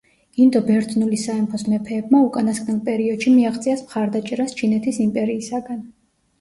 ინდო–ბერძნული სამეფოს მეფეებმა უკანასკნელ პერიოდში მიაღწიეს მხარდაჭერას ჩინეთის იმპერიისაგან.